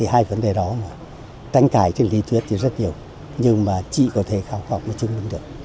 hai vấn đề đó tranh cãi trên lý thuyết rất nhiều nhưng chỉ có thể khảo khọc và chứng minh được